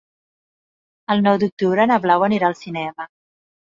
El nou d'octubre na Blau anirà al cinema.